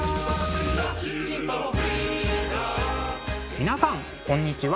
皆さんこんにちは。